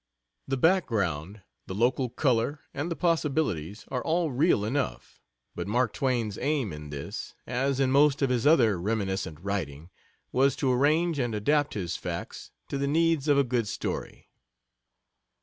The background, the local color, and the possibilities are all real enough, but Mark Twain's aim in this, as in most of his other reminiscent writing, was to arrange and adapt his facts to the needs of a good story.